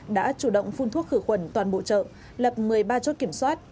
đã chủ động phun thuốc khử khuẩn toàn bộ chợ lập một mươi ba chốt kiểm soát